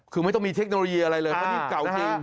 คือไม่ต้องมีเทคโนโลยีอะไรเลยเพราะนี่เก่าจริง